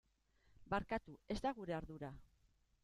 Barkatu, ez da gure ardura.